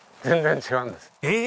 全然違うんです。